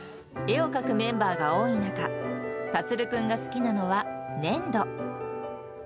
絵を描くメンバーが多い中、樹君が好きなのは粘土。